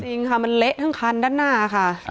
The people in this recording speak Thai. จริงค่ะมันเละทั้งคันด้านหน้าค่ะ